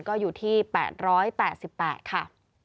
ก็อยู่ที่๘๘ค่ะ